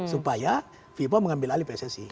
supaya fifa mengambil alih pssi